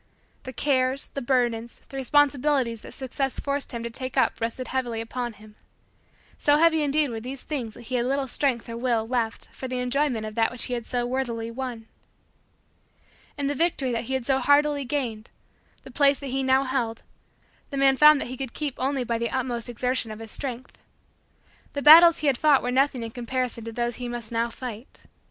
The cares, the burdens, the responsibilities that Success forced him to take up rested heavily upon him. So heavy indeed were these things that he had little strength or will left for the enjoyment of that which he had so worthily won. And the victory that he had so hardily gained, the place that he now held, the man found that he could keep only by the utmost exertion of his strength. The battles he had fought were nothing in comparison to those he must now fight.